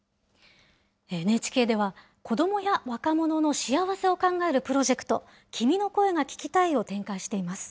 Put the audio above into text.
ＮＨＫでは、子どもや若者の幸せを考えるプロジェクト、君の声が聴きたいを展開しています。